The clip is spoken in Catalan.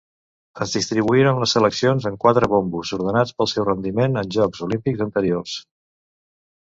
Es distribuïren les seleccions en quatre bombos, ordenats pel seu rendiment en Jocs Olímpics anteriors.